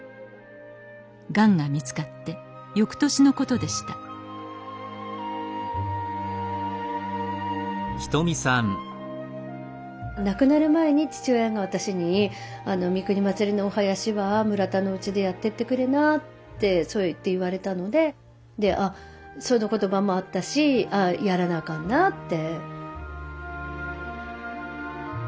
がんが見つかってよくとしのことでした亡くなる前に父親が私に「三国祭のお囃子は村田のうちでやってってくれな」ってそうやって言われたのででその言葉もあったし「ああやらなあかんな」って。